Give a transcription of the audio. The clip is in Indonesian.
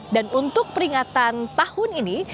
dan untuk peringatan tahun ini